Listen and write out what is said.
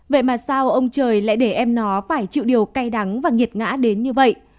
vậy mà sao ông trời lại để em nó phải chịu điều cay đắng và nghiệt ngã đến như vậy